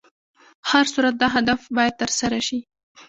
په هر صورت دا هدف باید تر سره شي.